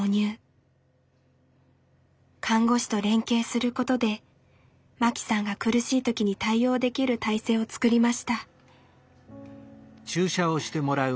看護師と連携することでマキさんが苦しい時に対応できる体制を作りました。